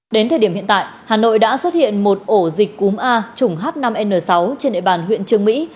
đến thời điểm hiện tại hà nội đã xuất hiện một ổ dịch cúm a chủng h năm n sáu trên địa bàn huyện trương mỹ